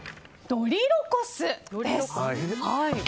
ドリロコス。